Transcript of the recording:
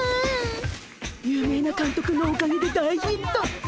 有名なかんとくのおかげで大ヒット！